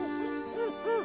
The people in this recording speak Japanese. うんうん。